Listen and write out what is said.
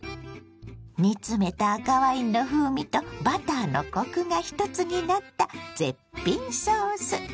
煮詰めた赤ワインの風味とバターのコクが一つになった絶品ソース。